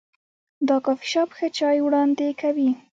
دا کافي شاپ ښه چای وړاندې کوي.